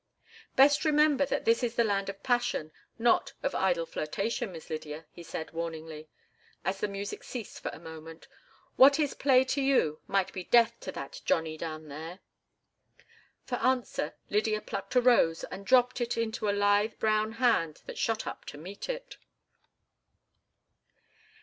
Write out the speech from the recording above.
"Best remember that this is the land of passion, not of idle flirtation, Miss Lydia," he said, warningly, as the music ceased for a moment. "What is play to you might be death to that Johnny down there." For answer Lydia plucked a rose and dropped it into a lithe brown hand that shot up to meet it.